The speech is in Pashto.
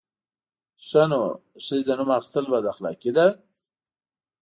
_ښه نو، د ښځې د نوم اخيستل بد اخلاقي ده!